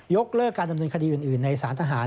เลิกการดำเนินคดีอื่นในสารทหาร